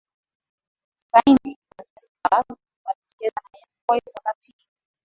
saint petersburg walicheza na young boys wakatii